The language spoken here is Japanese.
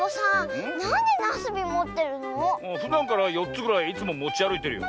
ふだんから４つぐらいいつももちあるいてるよ。